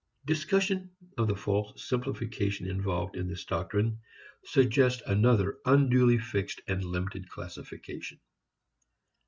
Discussion of the false simplification involved in this doctrine suggests another unduly fixed and limited classification.